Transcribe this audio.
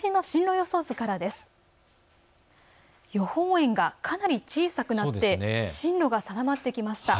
予報円がかなり小さくなって進路が定まってきました。